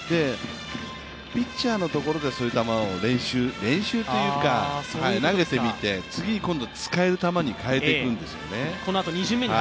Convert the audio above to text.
ピッチャーのところでそういう球を練習というか、投げてみて、次に今度使える球に変えていくんですね。